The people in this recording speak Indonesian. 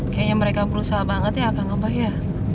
kayaknya mereka berusaha banget ya akang abah ya